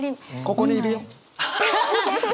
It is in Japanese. ここにいるよ。